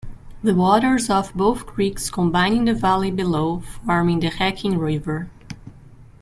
The waters of both creeks combine in the valley below, forming the Hacking River.